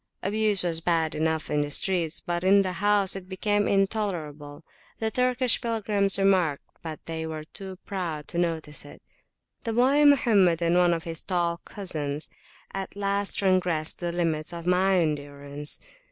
Abuse was bad enough in the streets, but in the house it became intolerable. The Turkish pilgrims remarked, but they were too proud to notice it. The boy Mohammed and one of his tall cousins at last transgressed the limits of my endurance.